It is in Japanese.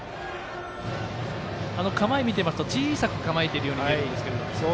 構えを見ていると小さく構えているように見えます。